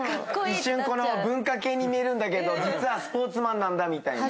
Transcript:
一瞬文化系に見えるんだけど実はスポーツマンなんだみたいな。